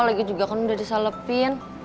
lagi juga kan udah disalepin